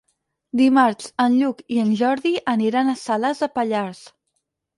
Dimarts en Lluc i en Jordi aniran a Salàs de Pallars.